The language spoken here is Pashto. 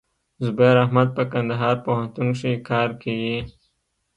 زبير احمد په کندهار پوهنتون کښي کار کيي.